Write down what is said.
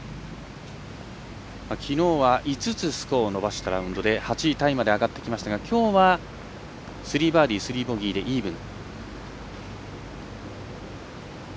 きのうは５つスコアを伸ばしたラウンドで８位タイまで上がってきましたがきょうは３バーディー、３ボギーでイーブン。